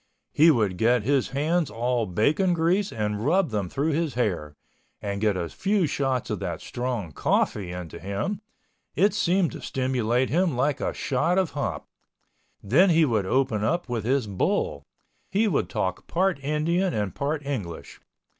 He would get his hands all bacon grease and rub them through his hair, and get a few shots of that strong coffee into him—it seemed to stimulate him like a shot of hop. Then he would open up with his "bull." He would talk part Indian and part English.